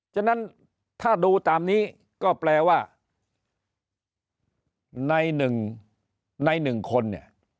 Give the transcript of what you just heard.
จึงนั้นถ้าดูตามนี้ก็แปลว่าใน๑ใน๑คนเนี่ย